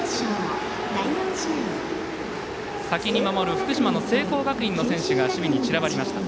先に守る聖光学院の選手が守備に散らばりました。